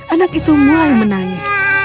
anak itu mulai menangis